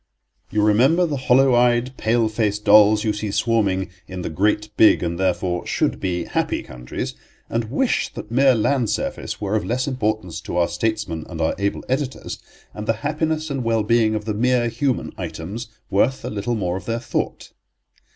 You remember the hollow eyed, pale faced dolls you see swarming in the great, big and therefore should be happy countries, and wish that mere land surface were of less importance to our statesmen and our able editors, and the happiness and well being of the mere human items worth a little more of their thought.